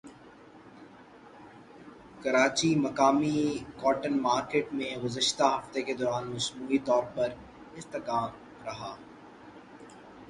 کراچیمقامی cotton market میں گزشتہ ہفتے کے دوران مجموعی طور پر استحکام رہا